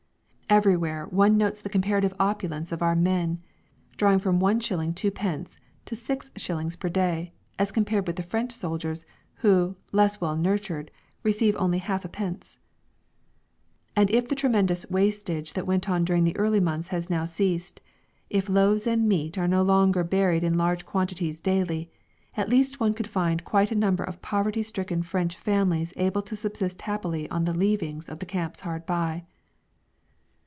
Everywhere one notes the comparative opulence of our men, drawing from 1s. 2d. to 6s. per day, as compared with the French soldiers, who, less well nurtured, only receive 1/2d.! And if the tremendous wastage that went on during the early months has now ceased; if loaves and meat are no longer buried in large quantities daily, at least one could find quite a number of poverty stricken French families able to subsist happily on the "leavings" of the camps hard by.